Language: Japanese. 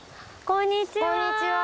こんにちは！